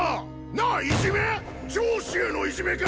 なあいじめ⁉上司へのいじめか！